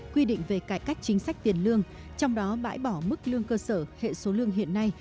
quy định về cải cách chính sách tiền lương trong đó bãi bỏ mức lương cơ sở hệ số lương hiện nay